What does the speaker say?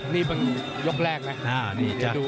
นี่มันยกแรกไหม